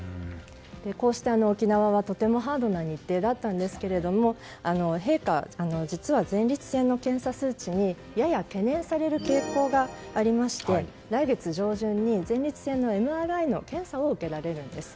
こうして沖縄はとてもハードな日程だったんですけれども陛下は実は前立腺の検査数値にやや懸念される傾向がありまして来月上旬に前立腺のＭＲＩの検査を受けられるんです。